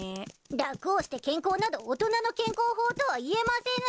楽をして健康など大人の健康法とはいえませぬ。